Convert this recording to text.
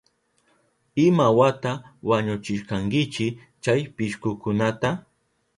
¿Imawata wañuchishkankichi chay pishkukunata?